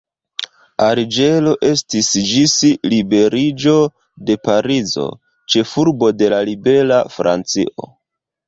Alĝero estis ĝis liberiĝo de Parizo, ĉefurbo de la libera Francio.